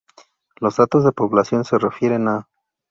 Los datos de población se refieren a